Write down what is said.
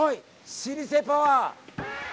老舗パワー！